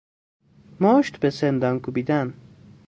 مشت به سندان کوبیدن